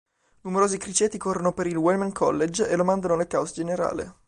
Numerosi criceti corrono per il Wellman College e lo mandano nel caos generale.